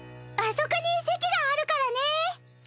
あそこに席があるからね。